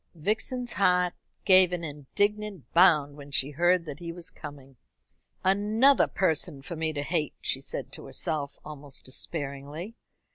Vixen's heart gave an indignant bound when she heard that he was coming. "Another person for me to hate," she said to herself, almost despairingly.